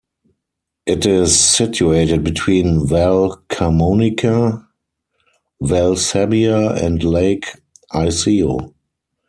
It is situated between Val Camonica, Val Sabbia and Lake Iseo.